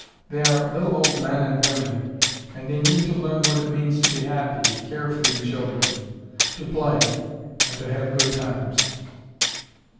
They are little old men and women, and they need to learn what it means to be happy, care free children, to play, and to have good times."